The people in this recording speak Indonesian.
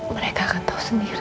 mereka akan tau sendiri